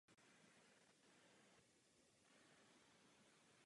Od jednoho poslance jsme slyšeli požadavek na ozbrojený zásah.